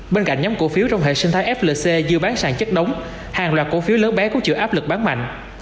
bên cạnh nhóm cổ phiếu trong hệ sinh thái flc dư bán sản chất đóng hàng loạt cổ phiếu lớn bé cũng chịu áp lực bán mạnh